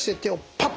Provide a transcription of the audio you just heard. パッ。